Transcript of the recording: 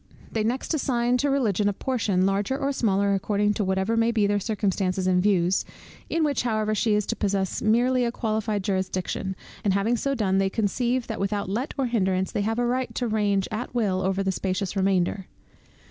They next assign to Religion a portion, larger or smaller according to whatever may be their circumstances and views, in which however she is to possess merely a qualified jurisdiction, and having so done, they conceive that without let or hindrance they have a right to range at will over the spacious remainder.